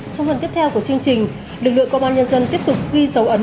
trong phần tiếp theo của chương trình lực lượng công an nhân dân tiếp tục ghi dấu ấn